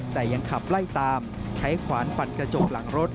แต่ยังขับไล่ตามใช้ขวานฟันกระจกหลังรถ